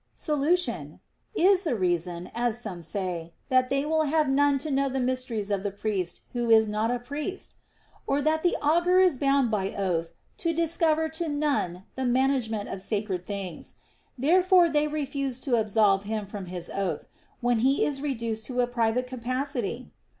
Solution. Is the reason (as some say) that they will have none to know the mysteries of the priests who is not a priest? Or that the augur is bound by oath to discover to none the management of sacred things ; therefore they refuse to absolve him from his oath, when he is reduced to a private capacity